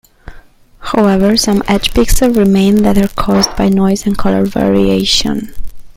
However, some edge pixels remain that are caused by noise and color variation.